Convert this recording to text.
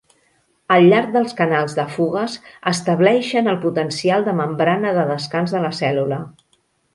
Al llarg dels canals de "fugues", estableixen el potencial de membrana de descans de la cèl·lula.